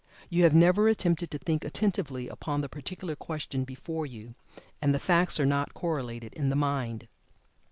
You have never attempted to think attentively upon the particular question before you, and the facts are not correlated in the mind.